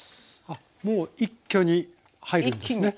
あっもう一挙に入るんですね。